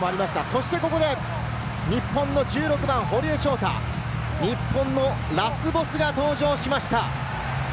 そしてここで日本の１６番・堀江翔太、日本のラスボスが登場しました。